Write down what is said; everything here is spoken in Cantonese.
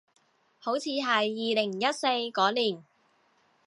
好似係二零一四嗰年